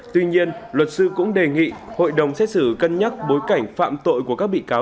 tuy nhiên luật sư cũng đề nghị hội đồng xét xử cân nhắc bối cảnh phạm tội của các bị cáo